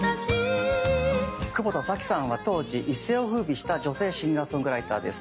久保田早紀さんは当時一世をふうびした女性シンガーソングライターです。